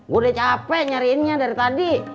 udah capek nyariinnya dari tadi